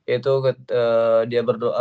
itu dia berdoa